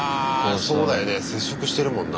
そうだよね接触してるもんな。